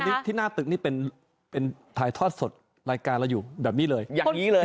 อันนี้ที่หน้าตึกเป็นทายทอดสดรายการเราอยู่แบบนี้เลย